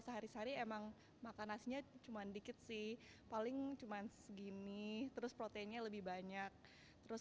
jadi emang makan nasinya cuman dikit sih paling cuman segini terus proteinnya lebih banyak terus